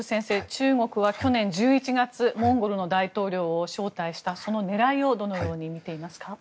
中国は去年１１月モンゴルの大統領を招待したその狙いをどのように見ていますか。